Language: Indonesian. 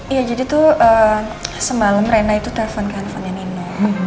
iya jadi tuh semalam rena itu telepon ke handphonenya neno